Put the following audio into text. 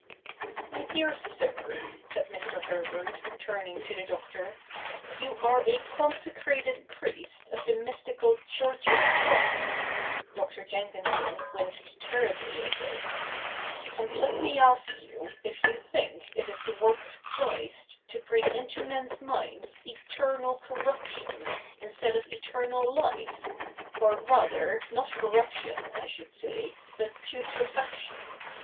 ' My dear sir,' said Mr. Herbert, turning to the Doctor, ' you are a consecrated priest of the mystical Church of Christ '— Dr. Jenkinson winced terribly at this —' and let me ask you if you think it the work of Christ to bring into men's minds eternal corruption, instead of eternal life — or, rather, not corruption, I should say, but putre faction.